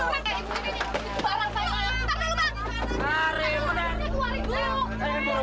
tidak ada yang bisa mengangkatnya dong